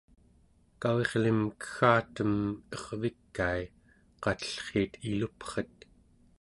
kavirlim keggatem ervikai qatellriit ilupret